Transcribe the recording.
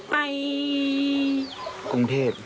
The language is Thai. ไปกรุงเทพ